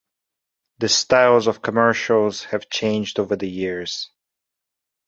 The styles of commercials have changed over the years.